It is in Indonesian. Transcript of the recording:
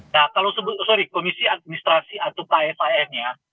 nah kalau sorry komisi administrasi atau ksam ya